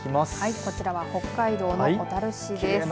こちら、北海道の小樽市です。